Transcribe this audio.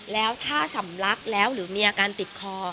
แล้วถ้าสำลักแล้วหรือมีอาการติดคอ